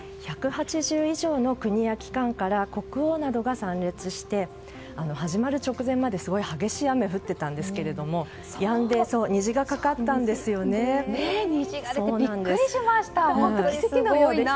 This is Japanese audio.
１８０以上の国や機関から国王などが参列して始まる直前まですごい激しい雨が降っていたんですがやんで、虹がかかったんです。